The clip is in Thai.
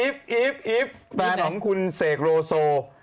อีฟแฟนของคุณเศกโรโซ